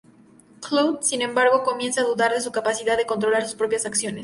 Cloud, sin embargo, comienza a dudar de su capacidad de controlar sus propias acciones.